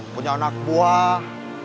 punya anak buah